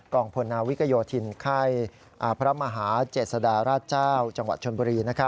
งพลนาวิกโยธินค่ายพระมหาเจษฎาราชเจ้าจังหวัดชนบุรี